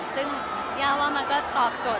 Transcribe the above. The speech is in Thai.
ซึ่งย่าว่ามันก็ตอบโจทย